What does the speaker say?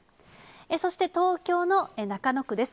そして東京の中野区です。